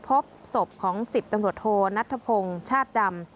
พบศพของ๑๐ตำรวจโทนัทธพงศ์ชาติดำ